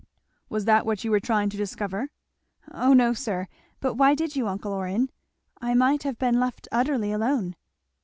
"Was that what you were trying to discover?" "Oh no, sir! But why did you, uncle Orrin? I might have been left utterly alone."